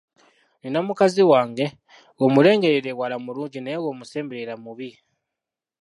Nina mukazi wange; bw’omulengerera ewala mulungi naye bw'omusemberera mubi.